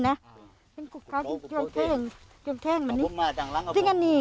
คุณผู้สายรุ่งมโสผีอายุ๔๒ปี